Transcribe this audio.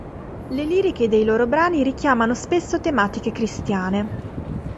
Le liriche dei loro brani richiamano spesso tematiche cristiane.